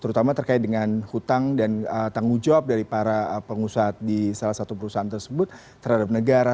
terutama terkait dengan hutang dan tanggung jawab dari para pengusaha di salah satu perusahaan tersebut terhadap negara